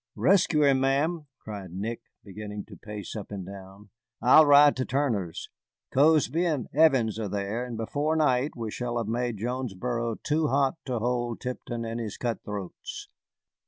"Rescue him, ma'am," cried Nick, beginning to pace up and down. "I'll ride to Turner's. Cozby and Evans are there, and before night we shall have made Jonesboro too hot to hold Tipton and his cutthroats."